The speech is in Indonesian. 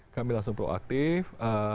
kami langsung proaktif